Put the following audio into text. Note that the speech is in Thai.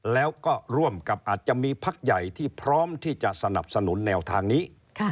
แล้วก็ร่วมกับอาจจะมีพักใหญ่ที่พร้อมที่จะสนับสนุนแนวทางนี้